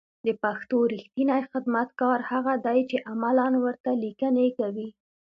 د پښتو رېښتينی خدمتگار هغه دی چې عملاً ورته ليکنې کوي